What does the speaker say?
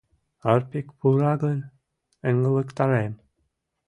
Арпик пура гын, ыҥлыктарем.